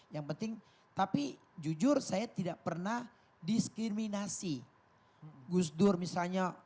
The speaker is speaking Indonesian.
yang penting tapi jujur saya tidak pernah diskriminasi gus dur misalnya